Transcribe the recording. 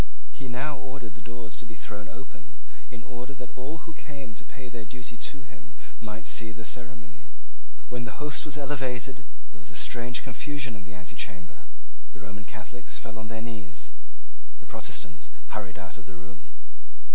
He now ordered the doors to be thrown open, in order that all who came to pay their duty to him might see the ceremony. When the host was elevated there was a strange confusion in the antechamber. The Roman Catholics fell on their knees: the Protestants hurried out of the room.